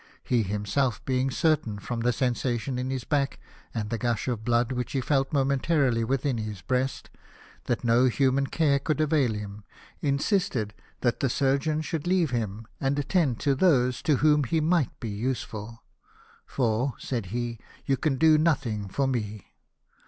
He himself being certain from the sensation in his back and the gush of blood which he felt momently within his breast that no human care could avail him, insisted that the surgeon should leave him, and attend to those to whom he might be useful. " For," said he, " you can do nothing for me."